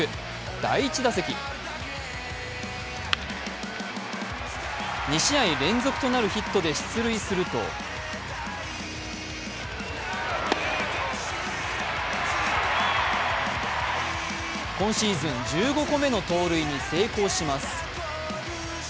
第１打席２試合連続となるヒットで出塁すると今シーズン１５個目の盗塁に成功します。